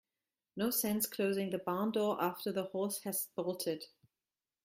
No sense closing the barn door after the horse has bolted.